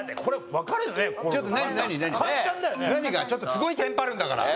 すごいテンパるんだから。